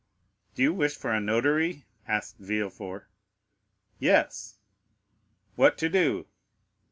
"Do you wish for a notary?" asked Villefort. "Yes." "What to do?"